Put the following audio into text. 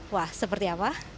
wah seperti apa